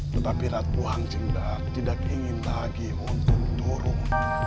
tetapi ratuan cinta tidak ingin lagi untuk turun